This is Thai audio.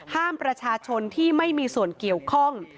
ห้ามประชาชนที่ไม่มีส่วนเกี่ยวข้อง